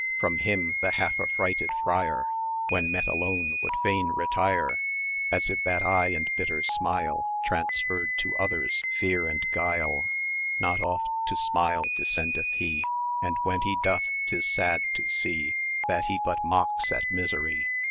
From him the half affrighted Friar When met alone would fain retire, As if that eye and bitter smile Transferred to others fear and guile: Not oft to smile descendeth he, 850 And when he doth 'tis sad to see That he but mocks at Misery.